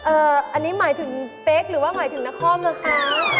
เอออันนี้หมายถึงเพชรหรือว่าหมายถึงณคอมค่ะ